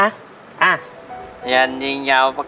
วันนี้ถ้าแพ้ต้องหอมแก้มพ่อนะ